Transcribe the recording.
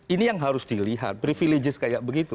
ini yang harus dilihat privileges kayak begitu